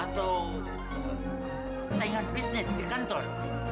atau saingan bisnis di kantor